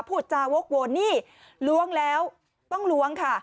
พูดจาวกวนนี่ล้วงแล้วต้องล้วงค่ะ